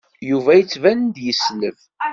Yuba yettban-d yesleb.